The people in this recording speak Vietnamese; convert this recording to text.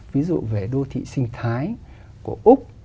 ví dụ về đô thị sinh thái của úc